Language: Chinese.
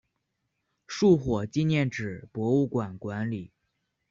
树火纪念纸博物馆管理。